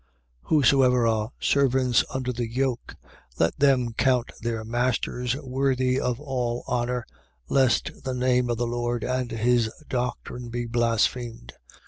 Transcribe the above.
6:1. Whosoever are servants under the yoke, let them count their masters worthy of all honour; lest the name of the Lord and his doctrine be blasphemed.